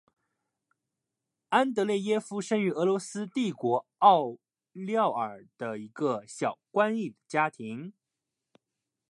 安德列耶夫生于俄罗斯帝国奥廖尔的一个小官吏家庭。